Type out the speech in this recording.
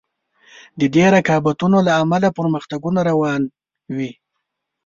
د دې رقابتونو له امله پرمختګونه روان وي.